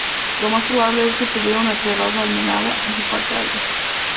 Lo más probable es que tuviera una terraza almenada en su parte alta.